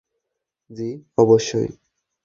জি, অবশ্যই।